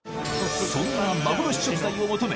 そんな幻食材を求め